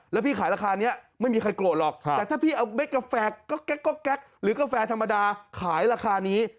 แล้วพี่ขายราคานี้ไม่มีใครโกรธหรอกแต่ถ้าพี่เอาเม็ดกาแฟก็แก๊กหรือกาแฟธรรมดาขายราคานี้